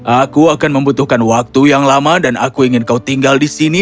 aku akan membutuhkan waktu yang lama dan aku ingin kau tinggal di sini